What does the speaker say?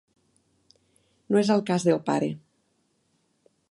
No és el cas del pare.